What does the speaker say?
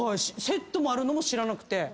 セットもあるのも知らなくて。